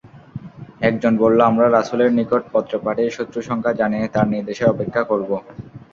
একজন বলল, আমরা রাসূলের নিকট পত্র পাঠিয়ে শত্রু-সংখ্যা জানিয়ে তাঁর নির্দেশের অপেক্ষা করব।